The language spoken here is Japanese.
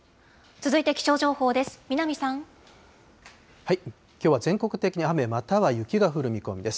続いて気象情報です。